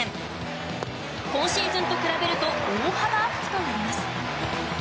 今シーズンと比べると大幅アップとなります。